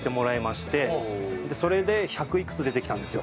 それで百いくつ出てきたんですよ。